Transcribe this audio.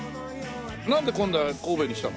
なんで今度は神戸にしたの？